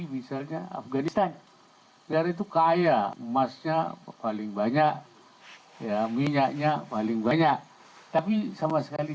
misalnya afganistan dan itu kaya emasnya paling banyak ya minyaknya paling banyak tapi sama sekali